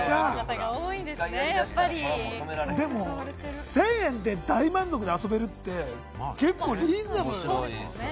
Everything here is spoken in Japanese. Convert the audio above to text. １０００円で大満足で遊べるって結構リーズナブル。